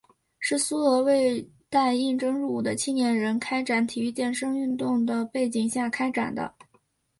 是苏俄为待应征入伍的青年人开展体育健身运动的背景下开展的。